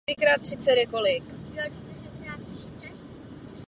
Po válce byl církvi opět odebrán a přeměněn na muzeum literatury a umění.